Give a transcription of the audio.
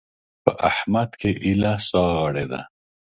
په احمد کې ايله سا غړېده.